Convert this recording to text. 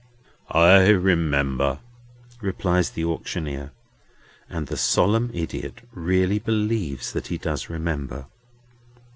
"I remember!" replies the auctioneer. And the solemn idiot really believes that he does remember.